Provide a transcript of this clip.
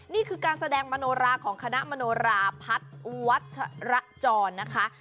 นี่คือการแสดงมโนราของคณะมโนราพัฒน์วัชระจรนะคะ